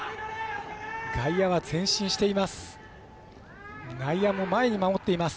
外野は前進しています。